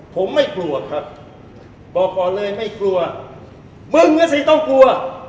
ผมไม่กลัวครับบอกก่อนเลยไม่กลัวมึงอ่ะสิต้องกลัว